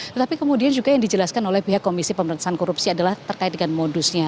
tetapi kemudian juga yang dijelaskan oleh pihak komisi pemerintahan korupsi adalah terkait dengan modusnya